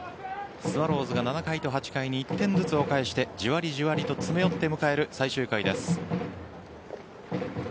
スワローズが７回と８回に１点ずつを返してじわりじわりと詰め寄って迎える最終回です。